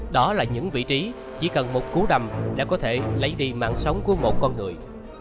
đó là những vị trí chỉ cần một cú đầm để có thể lấy đi mạng sống của một con người